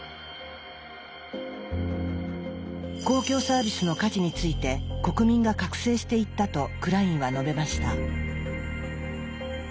公共サービスの価値について国民が覚醒していったとクラインは述べました。